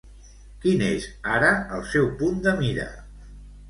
Quin és ara el seu punt de mira?